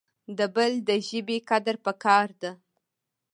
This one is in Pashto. د بل دژبي قدر پکار د